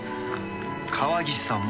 川岸さんも。